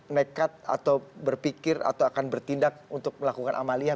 nekat atau berpikir atau akan bertindak untuk melakukan amaliyah